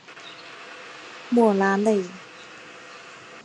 莫拉内。